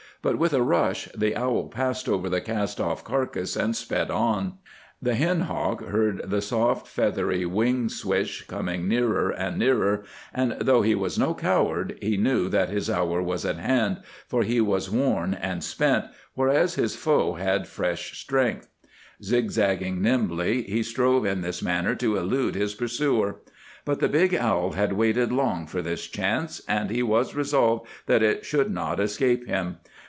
But with a rush the owl passed over the cast off carcass, and sped on. The hen hawk heard the soft, feathery wing swish coming nearer and nearer, and though he was no coward he knew that his hour was at hand, for he was worn and spent, whereas his foe had fresh strength. Zigzagging nimbly, he strove in this manner to elude his pursuer. But the big owl had waited long for this chance, and he was resolved that it should not escape him.